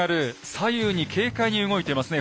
左右に軽快に動いてますね。